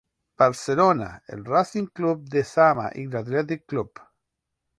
Barcelona, el Racing Club de Sama y el Athletic Club.